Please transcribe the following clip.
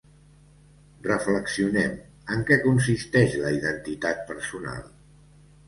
Reflexionem, en què consisteix la identitat personal?